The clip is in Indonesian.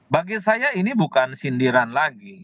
bagi saya ini bukan sindiran lagi